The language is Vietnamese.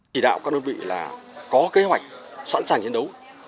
chỉ đạo các đơn vị là có kế hoạch soạn sản chiến đấu